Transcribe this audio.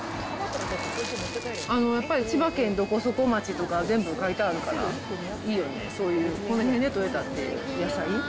やっぱり千葉県どこそこ町とか、全部書いてあるから、いいよね、そういう、この辺で採れたっていう野菜。